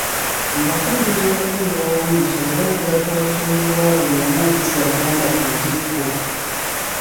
Mbakubiriza okukolera awamu musobole okugatta obusobozi bwa buli omu okuzza Buganda ku ntikko.